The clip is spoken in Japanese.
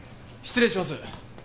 失礼します。